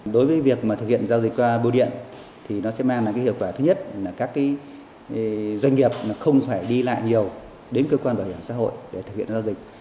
đối với việc mà thực hiện giao dịch qua bưu điện thì nó sẽ mang lại hiệu quả thứ nhất là các doanh nghiệp không phải đi lại nhiều đến cơ quan bảo hiểm xã hội để thực hiện giao dịch